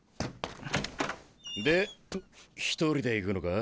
で一人で行くのか？